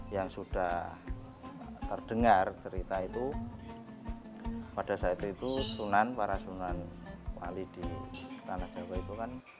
yang sudah terdengar cerita itu pada saat itu sunan para sunan wali di tanah jawa itu kan